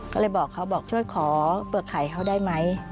ก็เลยบอกเขาบอกช่วยขอเปลือกไข่เขาได้ไหม